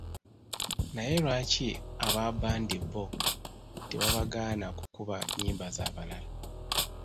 Naye lwaki aba bbandi bo tebabagaana kukuba nnyimba z'abalala.